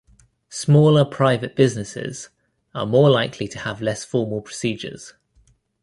Smaller private businesses are more likely to have less formal procedures.